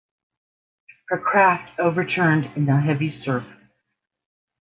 Her craft overturned in the heavy surf.